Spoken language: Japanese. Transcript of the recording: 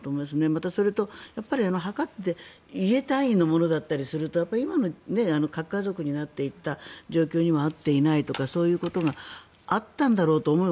またそれと、やっぱり墓って家単位のものだったりすると今の核家族になっていった状況にも合っていないとかそういうことがあったんだろうと思う。